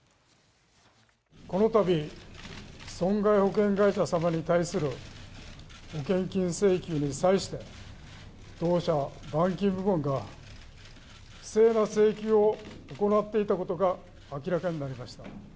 このたび、損害保険会社様に対する保険金請求に際して、当社板金部門が、不正な請求を行っていたことが明らかになりました。